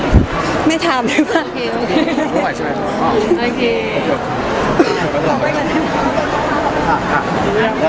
พี่เอ๊ยฮะพี่เอ๊ยฮะ